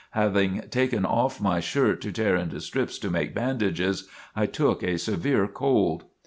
Having taken off my shirt to tear into strips to make bandages, I took a severe cold.